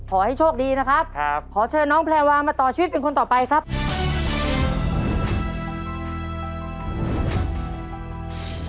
ขอให้โชคดีนะครับขอเชิญน้องแพรวามาต่อชีวิตเป็นคนต่อไปครับ